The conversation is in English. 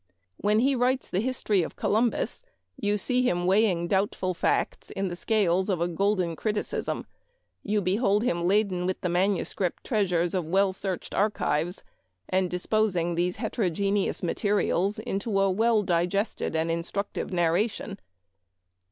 When he writes the " History of Columbus " you see him weighing doubtful facts in the scales of a golden criticism. You behold him laden with the manuscript treasures of well searched archives, and dispos ing the heterogeneous materials into a well digested and instructive narration.